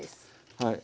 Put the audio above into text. はい。